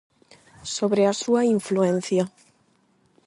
Sobre a súa influencia.